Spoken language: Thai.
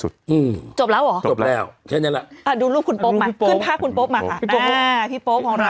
อืมจบแล้วเหรอแค่นั้นแหละอ่ะดูรูปคุณโป๊ปมาขึ้นพาคุณโป๊ปมาค่ะน่าพี่โป๊ปของเรา